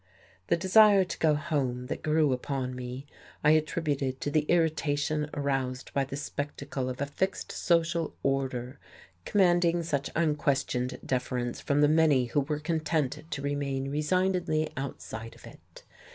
The desire to go home that grew upon me I attributed to the irritation aroused by the spectacle of a fixed social order commanding such unquestioned deference from the many who were content to remain resignedly outside of it.